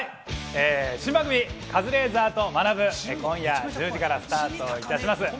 新番組『カズレーザーと学ぶ。』、今夜１０時からスタートします。